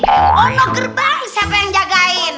oh no gerbang siapa yang jagain